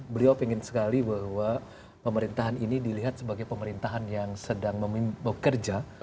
beliau ingin sekali bahwa pemerintahan ini dilihat sebagai pemerintahan yang sedang bekerja